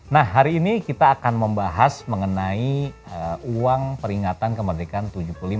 nah hari ini kita akan membahas mengenai uang peringatan kemerdekaan tujuh puluh lima